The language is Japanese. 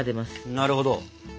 なるほど。